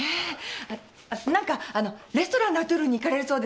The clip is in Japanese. あっ何かあのレストランラ・トゥールに行かれるそうですね？